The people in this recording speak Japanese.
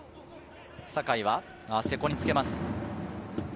酒井は瀬古につけます。